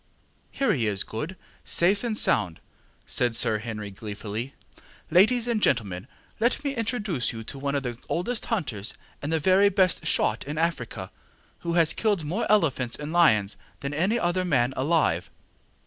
ŌĆ£Here he is, Good, safe and sound, ŌĆØ said Sir Henry, gleefully. ŌĆ£Ladies and gentlemen, let me introduce you to one of the oldest hunters and the very best shot in Africa, who has killed more elephants and lions than any other man alive.